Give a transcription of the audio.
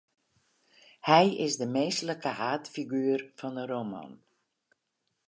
Hy is de minsklike haadfiguer fan de roman.